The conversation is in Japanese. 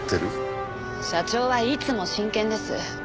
社長はいつも真剣です。